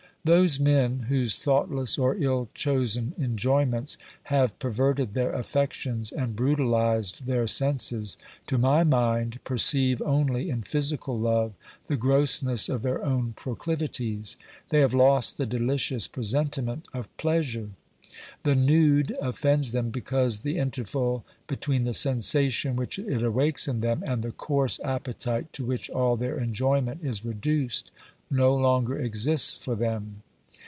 Those men whose thoughtless or ill chosen enjoyments have perverted their affections and brutalised their senses, to my mind perceive only in physical love the grossness of their own proclivities ; they have lost the delicious presentiment of pleasure. The nude offends them because the interval between the sensation which it awakes in them and the coarse appetite to which all their enjoyment is reduced no longer exists for them.